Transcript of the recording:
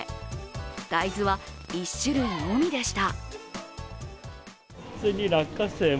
大豆は１種類のみでした。